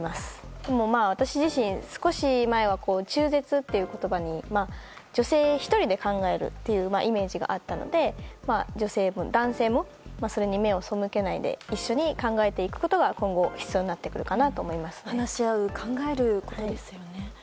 でも私自身、少し前は中絶という言葉に女性１人で考えるというイメージがあったので男性もそれに目を背けないで一緒に考えていくことが今後、必要になってくるかなと話し合う、考えることですよね。